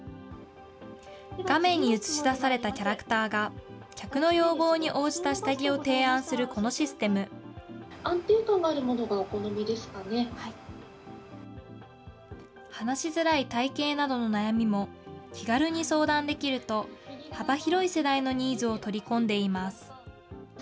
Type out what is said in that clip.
画面に映し出されたキャラクターが、客の要望に応じた下着を安定感があるものがお好みで話しづらい体形などの悩みも気軽に相談できると、幅広い世代のニーズを取り込んでいます。